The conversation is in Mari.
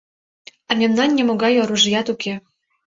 А мемнан нимогай оружият уке.